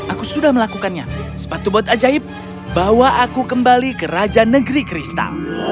aku sudah melakukannya sepatu bot ajaib bawa aku kembali ke raja negeri kristal